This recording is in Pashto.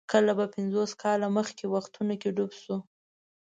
کله به پنځوس کاله مخکې وختونو کې ډوب شو.